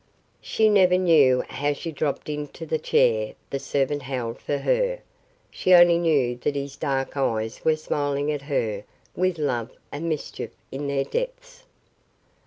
She never knew how she dropped into the chair the servant held for her. She only knew that his dark eyes were smiling at her with love and mischief in their depths.